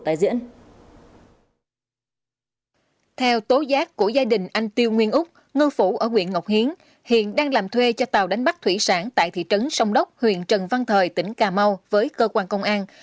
theo tố giác của gia đình anh tiêu nguyên úc ngư phủ ở huyện ngọc hiến hiện đang làm thuê cho tàu đánh bắt thủy sản tại thị trấn sông đốc huyện trần văn thời tỉnh cà mau với cơ quan công an